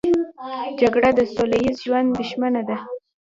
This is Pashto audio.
جګړه د سوله ییز ژوند دښمنه ده